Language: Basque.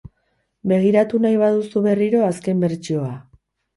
Begiratu nahi baduzu berriro azken bertsioa .